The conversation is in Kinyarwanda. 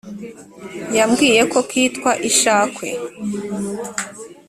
yambwiye ko kitwa ishakwe.